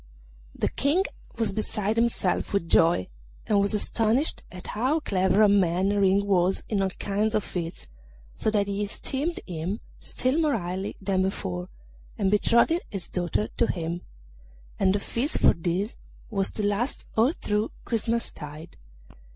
The King was beside himself with joy, and was astonished at how clever a man Ring was in all kinds of feats, so that he esteemed him still more highly than before, and betrothed his daughter to him; and the feast for this was to last all through Christmastide.